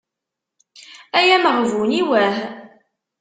Ay amaɣbun-iw ah.